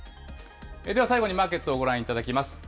では、最後にマーケットをご覧いただきます。